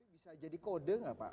bisa jadi kode nggak pak